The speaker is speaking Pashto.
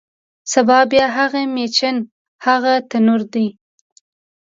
سبا بیا هغه میچن، هغه تنور دی